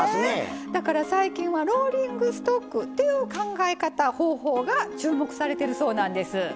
だから最近はローリングストックっていう考え方、方法が注目されてるそうなんです。